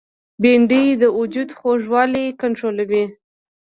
بېنډۍ د وجود خوږوالی کنټرولوي